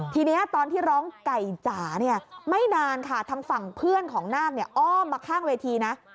ทีนี้ตอนที่ร้องไก่จ๋าเนี่ยไม่นานค่ะทางฝั่งเพื่อนของนาคอ้อมมาข้างเวทีนะ